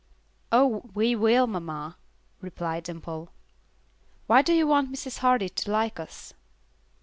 "Oh, we will, mamma," replied Dimple. "Why do you want Mrs. Hardy to like us?"